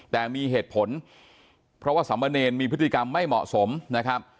แต่มีเหตุผลเพราะว่าสมเนรมีพฤติกรรมไม่เหมาะสมนะครับ